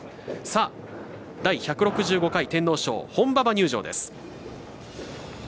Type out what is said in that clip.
第１６５回天皇賞本馬場入場です。